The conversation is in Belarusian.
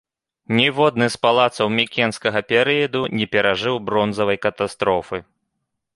Ніводны з палацаў мікенскага перыяду не перажыў бронзавай катастрофы.